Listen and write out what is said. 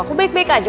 aku baik baik aja